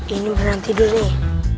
ini pernah tidur ya